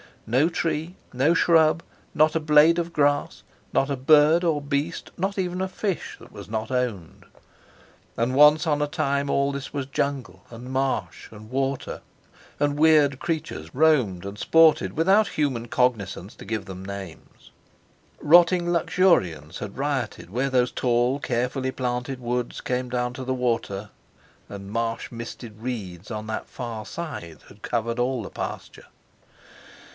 No tree, no shrub, not a blade of grass, not a bird or beast, not even a fish that was not owned. And once on a time all this was jungle and marsh and water, and weird creatures roamed and sported without human cognizance to give them names; rotting luxuriance had rioted where those tall, carefully planted woods came down to the water, and marsh misted reeds on that far side had covered all the pasture.